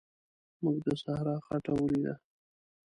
موږ د صحرا خټه ولیده.